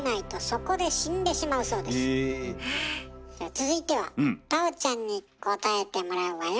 続いては太鳳ちゃんに答えてもらうわよ。